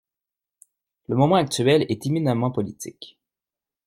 Le moment actuel est éminemment politique.